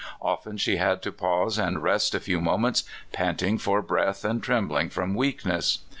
Often she had to pause and rest a few moments, panting for breath, and trembling from weakness.